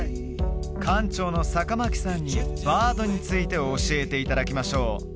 館長の坂巻さんにバードについて教えていただきましょう